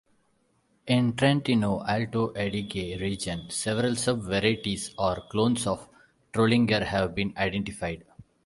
In the Trentino-Alto Adige region, several sub-varieties or clones of Trollinger have been identified.